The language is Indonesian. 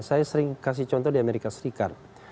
saya sering kasih contoh di amerika serikat